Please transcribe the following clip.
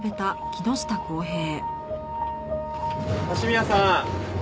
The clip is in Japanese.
鷲宮さん。